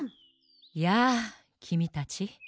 やあきみたち。